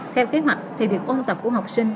theo kế hoạch thì việc ôn tập của học sinh